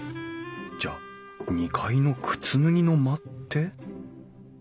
じゃあ２階の靴脱ぎの間って？